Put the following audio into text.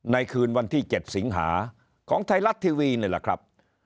คืนวันที่๗สิงหาของไทยรัฐทีวีนี่แหละครับ